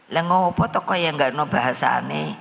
lihat apa yang ada di bahasa ini